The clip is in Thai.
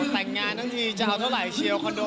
แต่งงานทั้งทีจะเอาเท่าไหร่เชียวคอนโด